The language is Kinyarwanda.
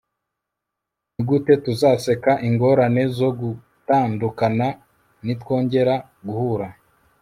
nigute tuzaseka ingorane zo gutandukana nitwongera guhura